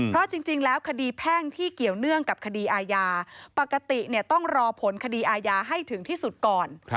เพราะจริงแล้วคดีแพ่งที่เกี่ยวเนื่องกับคดีอาญาปกติต้องรอผลคดีอาญาให้ถึงที่สุดก่อน